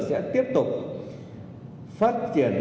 sẽ tiếp tục phát triển